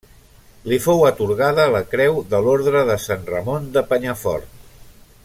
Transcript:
Li fou atorgada la creu de l'Orde de Sant Ramon de Penyafort.